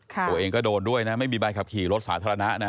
ตัวเองก็โดนด้วยนะไม่มีใบขับขี่รถสาธารณะนะ